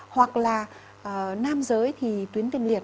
hoặc là nam giới thì tuyến tiền liệt